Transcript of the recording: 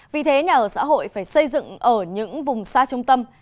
vì thế nhà ở xã hội phải xây dựng ở những vùng xa trung tâm